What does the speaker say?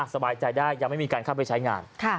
สบายใจได้ยังไม่มีการเข้าไปใช้งาน